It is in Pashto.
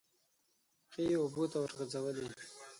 پښې یې اوبو ته ورغځولې.